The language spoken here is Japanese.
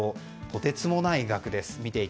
とてつもない額です。